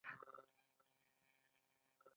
دوی د ترافیکو په برخه کې کار کوي.